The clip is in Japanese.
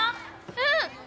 うん